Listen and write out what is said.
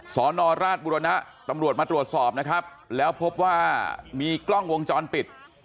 สอนอราชบุรณะตำรวจมาตรวจสอบนะครับแล้วพบว่ามีกล้องวงจรปิด